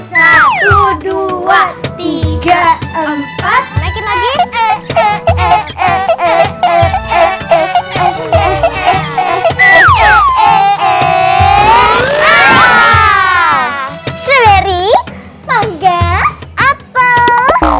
teori wiped apa salam waikum waikumsalam